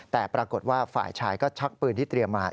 แต่ปรากฏว่าฝ่ายชายก็ชักปืนที่เตรียมมา